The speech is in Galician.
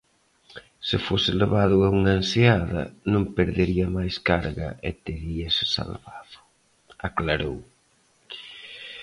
"Se fose levado a unha enseada, non perdería máis carga e teríase salvado", aclarou.